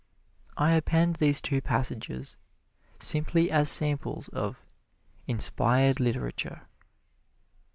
I append these two passages simply as samples of "inspired literature."